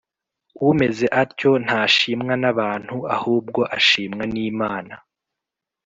Umeze atyo ntashimwa n’abantu, ahubwo ashimwa n’Imana.